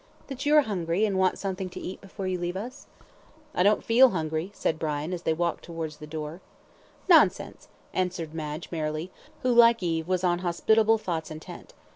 "That you are hungry, and want something to eat before you leave us?" "I don't feel hungry," said Brian, as they walked towards the door. "Nonsense," answered Madge, merrily, who, like Eve, was on hospitable thoughts intent.